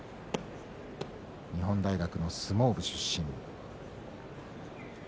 日本大学の相撲部出身。